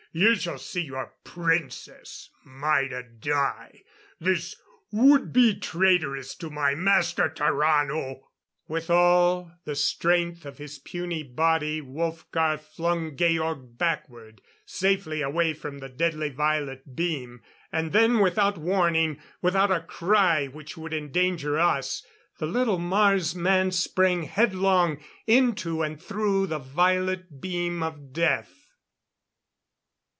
You shall see your Princess Maida die this would be traitoress to my Master Tarrano!" With all the strength of his puny body Wolfgar flung Georg backward safely away from the deadly violet beam. And then, without warning, without a cry which would endanger us, the little Mars man sprang headlong, into and through the violet beam of death.